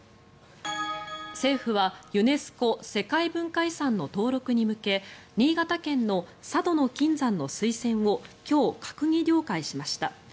政府はユネスコ・世界文化遺産の登録に向け新潟県の佐渡島の金山の推薦を今日、閣議了解しました。